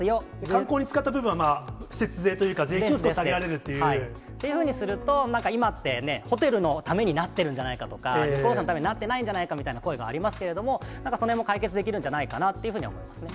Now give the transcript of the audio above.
観光に使った部分は節税といというふうにすると、今って、ホテルのためになってるんじゃないかとか、旅行者のためになってないんじゃないかという声がありますけれども、なんかそれも解決できるんじゃないかなというふうに思いますね。